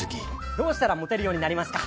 どうしたらモテるようになりますか？